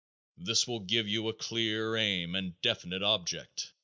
This will give you a clear aim and definite object.